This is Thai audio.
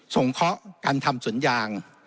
ส่งเคาะการทำสุนยาง